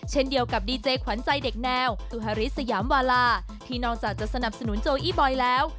เช่นเดียวกับดีเจขวัญใจเด็กแนวตุฮาริสยามวาลาที่นอกจากจะสนับสนุนโจอี้บอยแล้ว